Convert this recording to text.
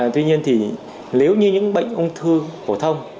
tuy nhiên thì nếu như những bệnh ung thư phổ thông